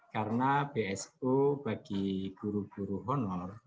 karena bsu bagi guru guru honorer